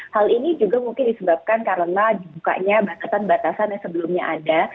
hal ini juga mungkin disebabkan karena dibukanya batasan batasan yang sebelumnya ada